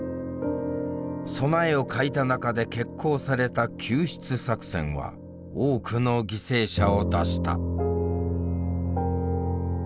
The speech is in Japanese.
備えを欠いた中で決行された救出作戦は多くの犠牲者を出した。